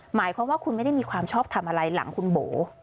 หมายความว่าคุณไม่ได้มีความชอบทำอะไรหลังคุณโบ